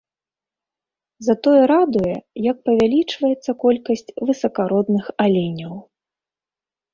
Затое радуе, як павялічваецца колькасць высакародных аленяў.